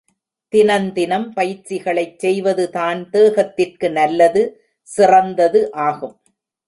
தினந்தினம் பயிற்சிகளைக் செய்வது தான் தேகத்திற்கு நல்லது, சிறந்தது ஆகும்.